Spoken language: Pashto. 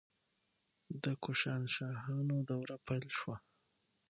د کوشانشاهانو دوره پیل شوه